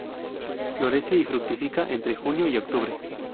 Florece y fructifica entre junio y octubre.